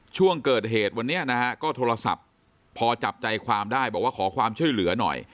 ช่วงเกิดเหตุวันนี้นะฮะก็โทรศัพท์พอจับใจความได้บอกว่าขอความช่วยเหลือหน่อย